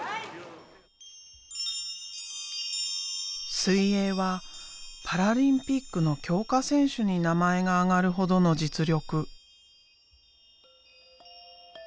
水泳はパラリンピックの強化選手に名前が挙がるほどの実力。